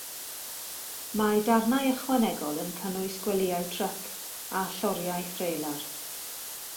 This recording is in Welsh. Mae darnau ychwanegol yn cynnwys gwelyau tryc a lloriau threlar.